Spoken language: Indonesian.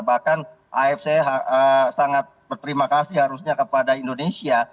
bahkan afc sangat berterima kasih harusnya kepada indonesia